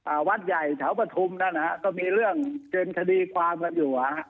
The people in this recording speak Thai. อ่าวัดใหญ่เฉาประทุมนั่นฮะก็มีเรื่องเก็บคดีความกันอยู่อ่ะ